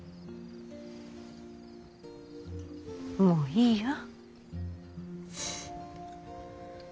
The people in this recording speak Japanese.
もういいよ。